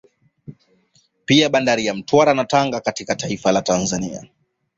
Pia Bandari ya Mtwara na Tanga katika taifa la Tanzania